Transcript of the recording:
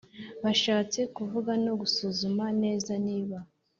Bashatse kuvuga no gusuzuma neza niba